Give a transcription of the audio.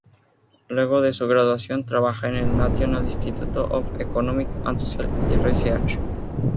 Luego de su graduación, trabaja en el National Institute of Economic and Social Research.